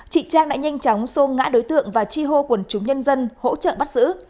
chị trang đã nhanh chóng xô ngã đối tượng và chi hô quần chúng nhân dân hỗ trợ bắt giữ